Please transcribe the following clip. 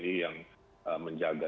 tni yang menjaga